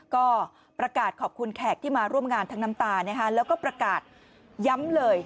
ก็ประกาศขอบคุณแขกที่มาร่วมงานทั้งน้ำตาแล้วก็ประกาศย้ำเลย